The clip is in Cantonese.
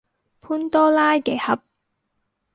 潘多拉嘅盒